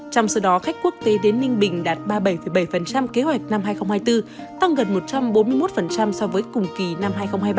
trong số đó khách quốc tế đến ninh bình đạt ba mươi bảy bảy kế hoạch năm hai nghìn hai mươi bốn tăng gần một trăm bốn mươi một so với cùng kỳ năm hai nghìn hai mươi ba